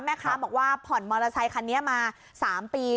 แม่ค้าบอกว่าผ่อนมอเตอร์ไซคันนี้มา๓ปี